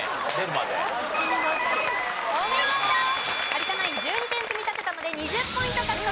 有田ナイン１２点積み立てたので２０ポイント獲得です。